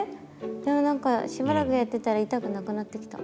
でも何かしばらくやってたら痛くなくなってきた。